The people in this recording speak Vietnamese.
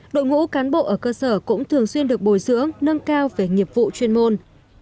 đội ngũ cán bộ ở cơ sở cũng thường xuyên được bồi dưỡng nâng cao về nghiệp vụ chuyên môn